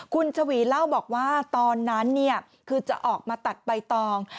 คุณชวีเล่าบอกว่าตอนนั้นคือจะออกมาตัดใบตอง